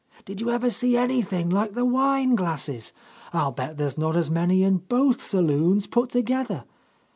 Did you ever see anything like the wine glasses 1 I'll bet there's not as many in both saloons put together.